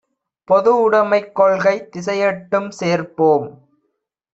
பொதுஉடைமைக் கொள்கை திசையெட்டும் சேர்ப்போம்